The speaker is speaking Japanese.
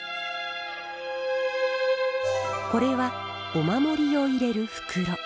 これはお守りを入れる袋。